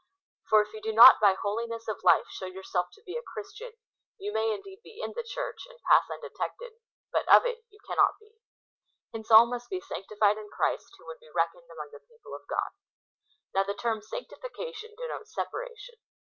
/For if you do not by holiness of life show yourself to be a Christian, you may indeed be in the Church, and i^ass undetected,^ but of it you cannot be. Hence all must be sanctified in Christ who would be reckoned among the people of God. Now the term sanctification denotes separation.